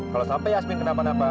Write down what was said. kalau sampai yasmin kenapa napa